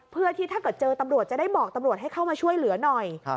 เพื่อที่ถ้าเกิดเจอตำรวจจะได้บอกตำรวจให้เข้ามาช่วยเหลือหน่อย